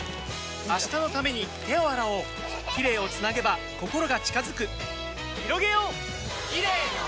明日のために手を洗おうキレイをつなげば心が近づくひろげようキレイの輪！